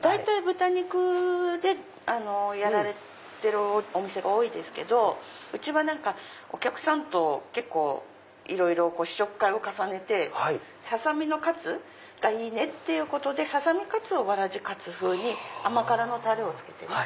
大体豚肉でやられてるお店が多いですけどうちはお客さんと結構いろいろ試食会を重ねてささ身のカツがいいねっていうことでささ身カツをわらじかつ風に甘辛のタレをつけてね。